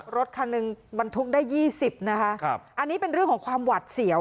รถคันหนึ่งบรรทุกได้ยี่สิบนะคะครับอันนี้เป็นเรื่องของความหวัดเสียว